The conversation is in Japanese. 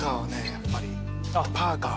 やっぱりパーカー。